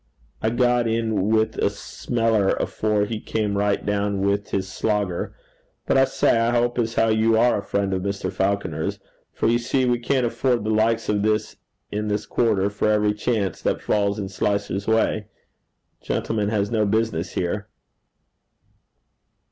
I got in with a smeller afore he came right down with his slogger. But I say, I hope as how you are a friend of Mr. Falconer's, for you see we can't afford the likes of this in this quarter for every chance that falls in Slicer's way. Gentlemen has no business here.'